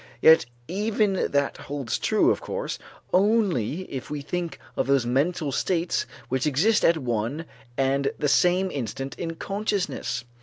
Yet even that holds true, of course, only if we think of those mental states which exist at one and the same instant in consciousness.